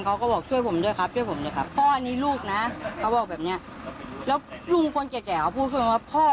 เขาหันมามองพวกหนูแล้วเขาบอกว่าใช่เขาบอกว่าพ่อ